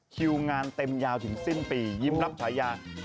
คิวงานเต็มยาวถึงสิ้นปียิ้มรับฉายา